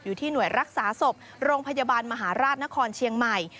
อยู่ที่หน่วยรักษาศพโรงพยาบาลมหาราชนครเชียงใหม่